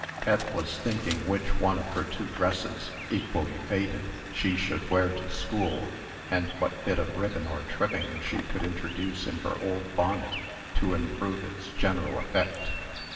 Pet was thinking which one of her two dresses (equally faded) she should wear to school, and what bit of ribbon or trimming she could introduce in her old bonnet, to improve its general effect.